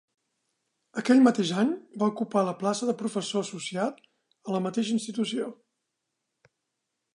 Aquell mateix any va ocupar la plaça de professor associat a la mateixa institució.